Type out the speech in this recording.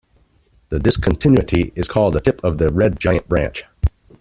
This discontinuity is called the tip of the red-giant branch.